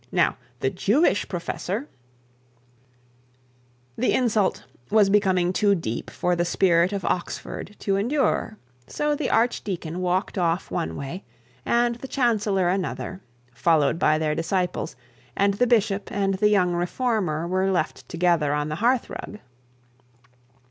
Now the Jewish professor ' The insult was becoming too deep for the spirit of Oxford to endure, so the archdeacon walked off one way and the chancellor another, followed by their disciples, and the bishop and the young reformer were left together on the hearth rug.